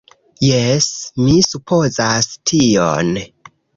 Jes, mi supozas tion